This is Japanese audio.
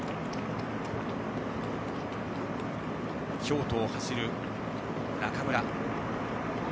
京都を走る中村。